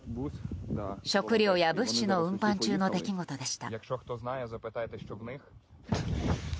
食料や物資の運搬中の出来事でした。